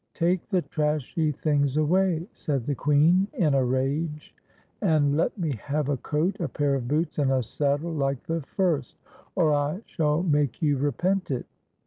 "Take the trashy things away," said the Queen, in a rage, " and let me hav£ a coat, a pair of boots, and a saddle like the first, or I shall make }'ou repent it."